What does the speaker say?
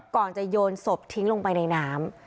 ก่อนจะโยนศพทิ้งลงไปในน้ำ